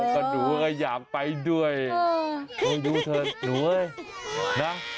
เขาอยากไปด้วยได้ประโยชน์